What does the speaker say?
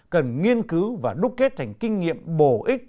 cần nghiên cứu và đúc kết thành kinh nghiệm bổ ích